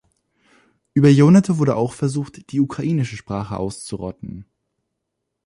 Über Jahrhunderte wurde auch versucht, die ukrainische Sprache auszurotten.